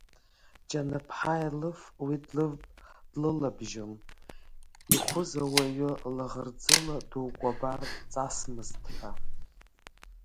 Ҷаны-ԥҳа Елыф уи длылабжьон, ихәыз ауаҩы лаӷырӡыла дукәабар ҵасмызт ҳәа.